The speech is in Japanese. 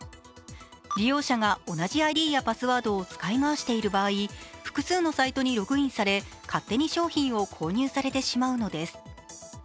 利用者が同じＩＤやパスワードを使い回している場合、複数のサイトにログインされ、勝手に商品を購入されてしまうのです。